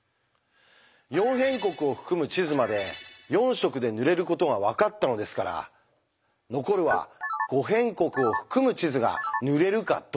「四辺国」を含む地図まで４色で塗れることが分かったのですから残るは「五辺国」を含む地図が塗れるかどうかです。